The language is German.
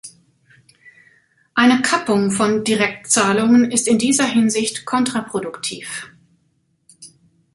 Eine Kappung von Direktzahlungen ist in dieser Hinsicht kontraproduktiv.